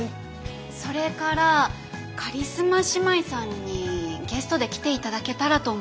それからカリスマ姉妹さんにゲストで来て頂けたらと思っていて。